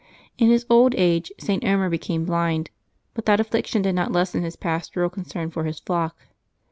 In his old age St. Omer became blind, but that affliction did not lessen his pastoral concern for his flock.